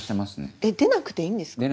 出なくていいんですか？